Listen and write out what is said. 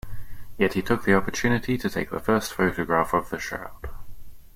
Yet he took the opportunity to take the first photograph of the shroud.